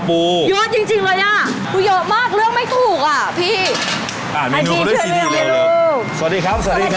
ปีจุสวัสดีอีกทีนะคะ